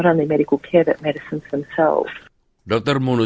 hanya dengan kesehatan medis mereka sendiri